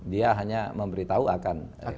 dia hanya memberitahu akan